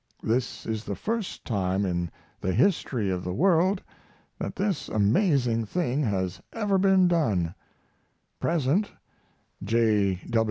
This is the first time in the history of the world that this amazing thing has ever been done. Present: J.